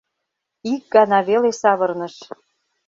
Ик гана веле савырныш: